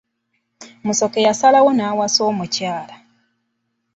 Musoke yasalawo n'awasa omukyala.